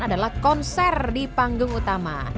adalah konser di panggung utama